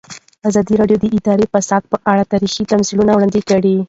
ازادي راډیو د اداري فساد په اړه تاریخي تمثیلونه وړاندې کړي.